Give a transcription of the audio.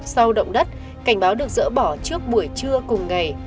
sau động đất cảnh báo được dỡ bỏ trước buổi trưa cùng ngày